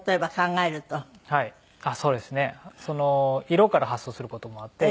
色から発想する事もあって。